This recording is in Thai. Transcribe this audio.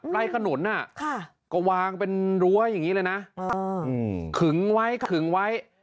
ไร่ขนุนก็วางเป็นรั้วขึงไว้